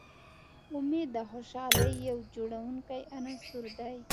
امید د خوشحالۍ یو جوړوونکی عنصر دی.